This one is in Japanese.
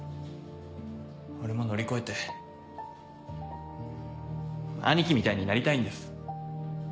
俺も乗り越えて兄貴みたいになりたいんです。